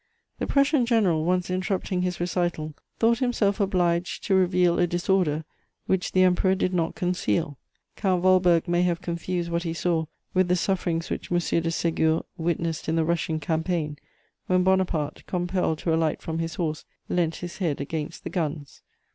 The Prussian General, once interrupting his recital, thought himself obliged to reveal a disorder which the Emperor did not conceal: Count Waldburg may have confused what he saw with the sufferings which M. de Ségur witnessed in the Russian campaign, when Bonaparte, compelled to alight from his horse, leant his head against the guns.